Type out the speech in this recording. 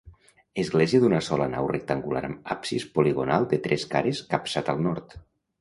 Església d'una sola nau rectangular amb absis poligonal de tres cares capçat al nord.